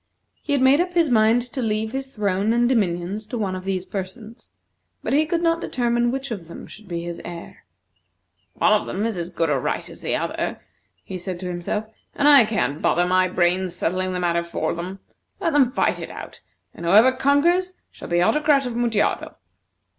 He had made up his mind to leave his throne and dominions to one of these persons, but he could not determine which of them should be his heir. "One has as good a right as the other," he said to himself, "and I can't bother my brains settling the matter for them. Let them fight it out, and whoever conquers shall be Autocrat of Mutjado."